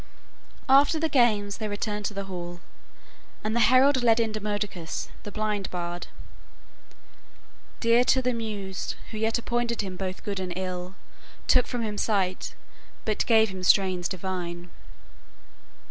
After the games they returned to the hall, and the herald led in Demodocus, the blind bard, "... Dear to the Muse, Who yet appointed him both good and ill, Took from him sight, but gave him strains divine."